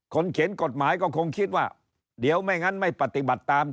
เขียนกฎหมายก็คงคิดว่าเดี๋ยวไม่งั้นไม่ปฏิบัติตาม